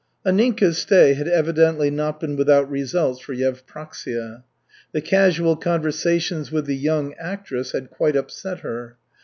Anninka's stay had evidently not been without results for Yevpraksia. The casual conversations with the young actress had quite upset her.